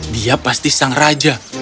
dia pasti sang raja